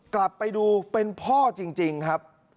กลับไปดูเป็นพ่อจริงครับ